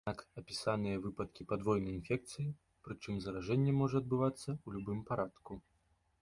Аднак апісаныя выпадкі падвойнай інфекцыі, прычым заражэнне можа адбывацца ў любым парадку.